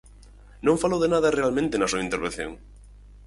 ¡Non falou de nada realmente na súa intervención!